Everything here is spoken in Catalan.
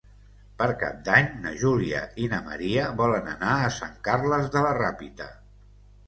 Per Cap d'Any na Júlia i na Maria volen anar a Sant Carles de la Ràpita.